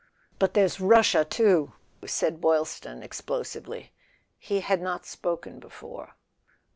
"But there's Russia too " said Boylston ex¬ plosively. He had not spoken before.